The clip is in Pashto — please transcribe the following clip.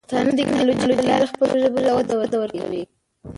پښتانه د ټیکنالوجۍ له لارې خپلو ژبو ته وده ورکوي.